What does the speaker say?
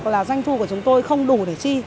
doanh thu của chúng tôi không đủ để chi